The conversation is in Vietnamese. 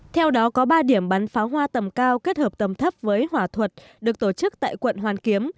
theo đó có ba điểm bắn pháo hoa tầm cao kết hợp tầm thấp với hỏa thuật được tổ chức tại quận hoàn kiếm